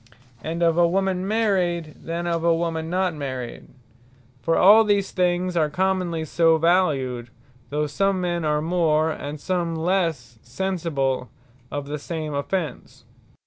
And of a woman Married, than of a woman not married. For all these things are commonly so valued; though some men are more, and some lesse sensible of the same offence.